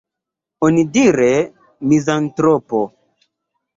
Onidire, mizantropo.